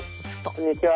こんにちは。